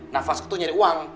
nafas aku tuh nyari uang